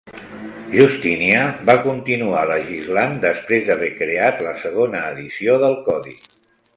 Justinià va continuar legislant després d'haver creat la segona edició del Codi.